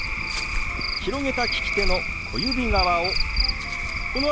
広げた利き手の小指側をこの辺りに２回当てます。